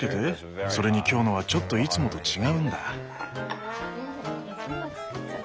それに今日のはちょっといつもと違うんだ。